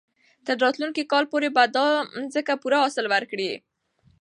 تر راتلونکي کال پورې به دا مځکه پوره حاصل ورکړي.